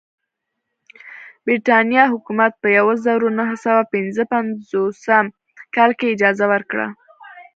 برېټانیا حکومت په یوه زرو نهه سوه پنځه پنځوسم کال کې اجازه ورکړه.